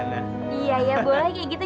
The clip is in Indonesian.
boleh kayak gitu